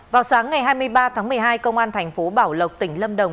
vào sáng ngày hai mươi ba tháng một mươi hai công an thành phố bảo lộc tỉnh lâm đồng